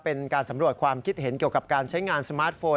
เป็นการสำรวจความคิดเห็นเกี่ยวกับการใช้งานสมาร์ทโฟน